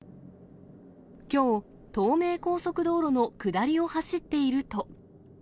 きょう、東名高速道路の下りを走っていると。